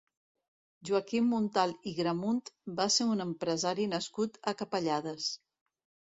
Joaquim Muntal i Gramunt va ser un empresari nascut a Capellades.